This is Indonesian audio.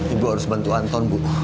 ibu harus bantu anton bu